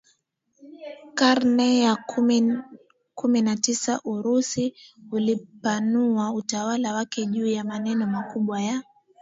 karne ya kumi na tisa Urusi ulipanua utawala wake juu ya maneo makubwa ya